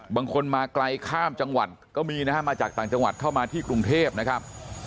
บางคนมาไกลข้ามจังหวัดก็มีนะฮะมาจากต่างจังหวัดเข้ามาที่กรุงเทพนะครับ